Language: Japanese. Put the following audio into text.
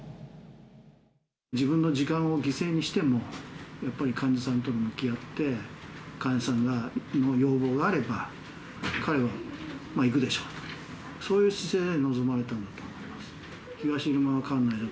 自分の時間を犠牲にしても、やっぱり患者さんとも向き合って、患者さんの要望があれば、彼は行くでしょうと、そういう姿勢で臨まれたんだと思います。